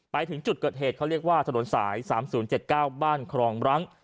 ไปถึงจุดเกิดเหตุเขาเรียกว่าถนนสาย๓๐๗๙บ้านครองรัง